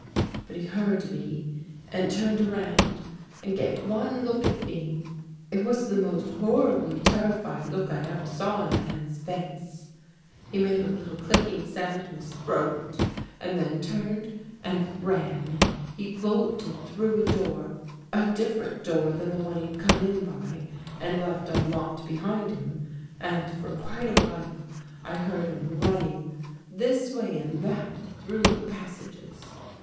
But he heard me and turned around and gave one look at me. It was the most horribly terrified look I ever saw in a man's face. He made a little clicking noise in his throat 306 THE WATCHERS AND THE WATCHED and then turned and ran. He bolted through a door — a different door than the one he'd come in by and left unlocked behind him, and for quite a while I heard him running this way and that through the passages.